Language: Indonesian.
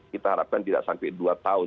kita harapkan tidak sampai dua tahun